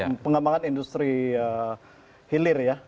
dan juga untuk menjadikan industri hilir ya